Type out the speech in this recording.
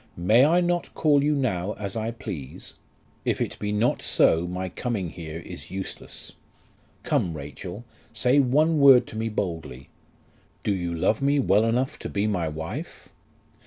"May I not call you now as I please? If it be not so my coming here is useless. Come, Rachel, say one word to me boldly. Do you love me well enough to be my wife?"